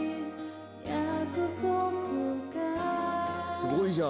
すごいじゃん。